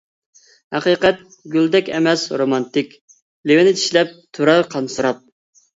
ھەقىقەت گۈلدەك ئەمەس رومانتىك، لېۋىنى چىشلەپ تۇرار قانسىراپ.